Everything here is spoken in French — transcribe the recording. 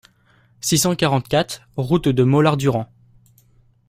six cent quarante-quatre route de Mollardurand